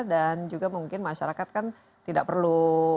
dan juga mungkin masyarakat kan tidak perlu